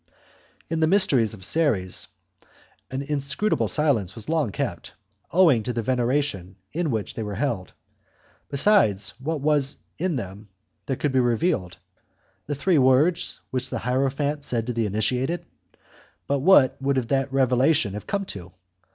In the mysteries of Ceres, an inscrutable silence was long kept, owing to the veneration in which they were held. Besides, what was there in them that could be revealed? The three words which the hierophant said to the initiated? But what would that revelation have come to?